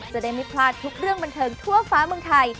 จะได้ไม่พลาดทุกเรื่องบันเทิงทั่วฟ้าเมืองไทย